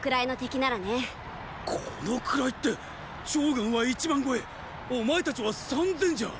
このくらいって趙軍は一万超えお前たちは三千じゃ。